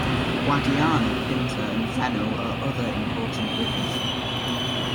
Guadiana, Pinta and Xenil are other important rivers.